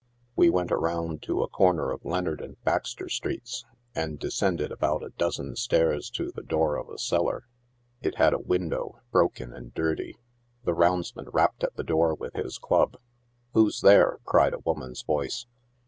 We went around to the corner of Leonard and Baxter streets, and descended about a dozen stairs to the door of a cellar. It had a window, broken and dirry. The roundsman rapped at the do:r with his club. ' Yv r ho's there?" cried a woman's voice.